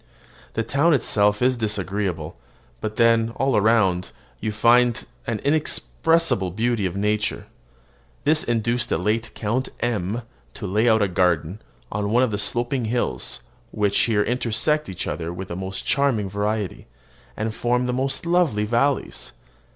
The town itself is disagreeable; but then, all around, you find an inexpressible beauty of nature. This induced the late Count M to lay out a garden on one of the sloping hills which here intersect each other with the most charming variety, and form the most lovely valleys.